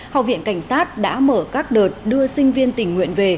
học viện cảnh sát đã mở các đợt đưa sinh viên tình nguyện về